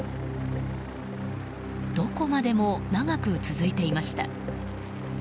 どこまでも長く続いていました。